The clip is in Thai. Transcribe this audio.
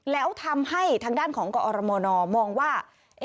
แล้วทำให้ทางด้านของกอรมนมองว่า